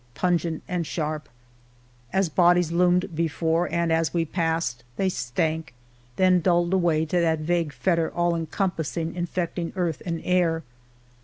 Pungent and sharp; as bodies loomed before. And as we passed, they Slank: then dulled away To that vague factor, all encompassing, Infeding earth and air.